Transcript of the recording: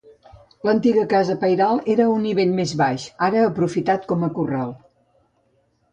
L'antiga casa pairal era a un nivell més baix, ara aprofitat com a corral.